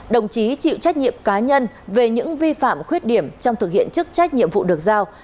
đồng chí chịu trách nhiệm cá nhân về những vi phạm khuyết điểm trong thực hiện chức trách nhiệm vụ được giao